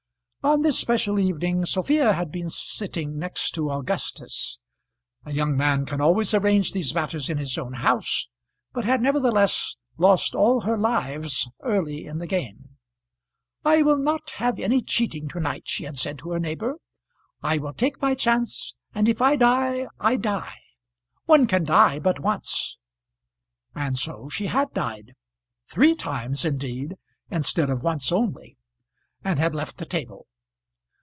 On this special evening Sophia had been sitting next to Augustus, a young man can always arrange these matters in his own house, but had nevertheless lost all her lives early in the game. "I will not have any cheating to night," she had said to her neighbour; "I will take my chance, and if I die, I die. One can die but once." And so she had died, three times indeed instead of once only, and had left the table.